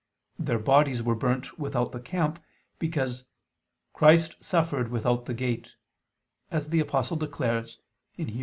Their bodies were burnt without the camp, because "Christ suffered without the gate," as the Apostle declares (Heb.